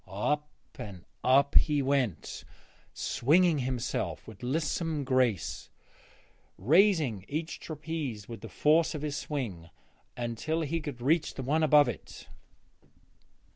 Up and up he went, swinging himself with lissome grace, raising each trapeze with the force of his swing until he could reach the one above it.